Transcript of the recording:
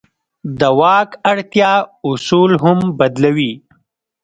د واک اړتیا اصول هم بدلوي.